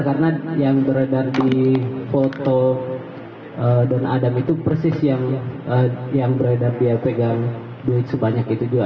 karena yang beredar di foto don adam itu persis yang beredar dia pegang duit sebanyak itu juga